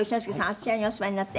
あちらにお座りになって」